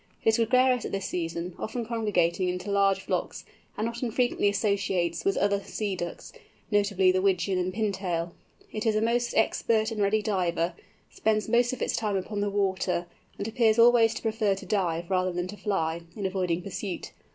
It is gregarious at this season, often congregating into large flocks, and not unfrequently associates with other Sea Ducks, notably with Wigeon and Pintail. It is a most expert and ready diver, spends most of its time upon the water, and appears always to prefer to dive, rather than to fly, in avoiding pursuit.